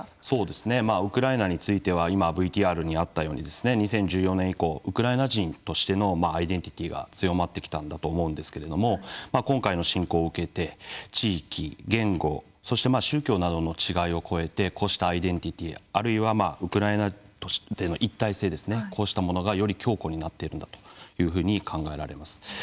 そうですねウクライナについては今ＶＴＲにあったように２０１４年以降ウクライナ人としてのアイデンティティが強まってきたんだと思うんですけれども今回の侵攻を受けて地域言語そして宗教などの違いを超えてこうしたアイデンティティあるいはウクライナとしての一体性ですねこうしたものがより強固になっているんだというふうに考えられます。